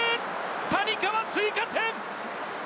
谷川、追加点！